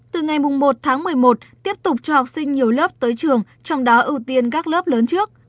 từ ngày một tháng một mươi một tiếp tục cho học sinh nhiều lớp tới trường trong đó ưu tiên các lớp lớn trước